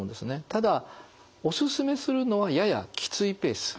ただお勧めするのはややきついペース。